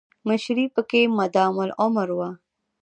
مشري پکې مادام العمر وه.